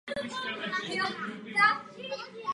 Tím jeho kariéra skončila.